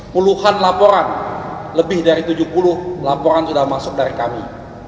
puluhan laporan lebih dari tujuh puluh laporan sudah masuk dari kami